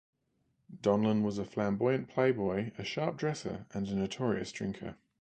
Donlin was a flamboyant playboy, a sharp dresser and a notorious drinker.